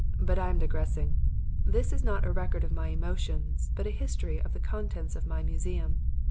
"But I am digressing. This is not a record of my emotions, but a history of the contents of my museum.